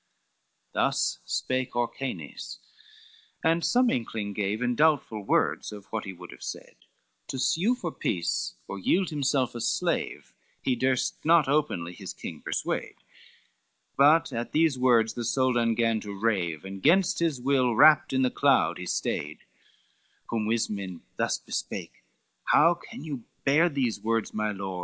XLVIII Thus spake Orcanes, and some inkling gave In doubtful words of that he would have said; To sue for peace or yield himself a slave He durst not openly his king persuade: But at those words the Soldan gan to rave, And gainst his will wrapt in the cloud he stayed, Whom Ismen thus bespake, "How can you bear These words, my lord?